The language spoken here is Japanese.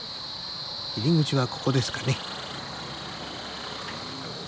入り口はここですかね。